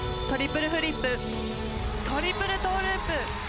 トリプルフリップ、トリプルトーループ。